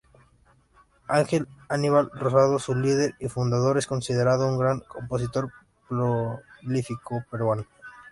Ángel Aníbal Rosado, su líder y fundador, es considerado un gran compositor prolífico peruano.